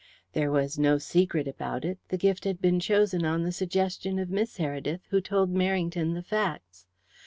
There was no secret about it; the gift had been chosen on the suggestion of Miss Heredith, who told Merrington the facts.